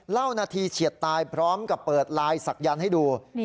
เล่านาทีเฉียดตายพร้อมกับเปิดลายศักยันต์ให้ดู